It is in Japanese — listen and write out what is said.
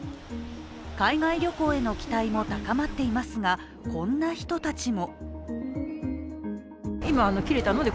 海外旅行への期待も高まっていますがこんな人たちも。